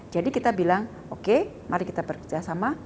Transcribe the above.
jadi kita bilang oke mari kita bekerja sama